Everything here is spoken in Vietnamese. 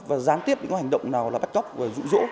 và gián tiếp những hành động nào là bắt cóc và rụ rỗ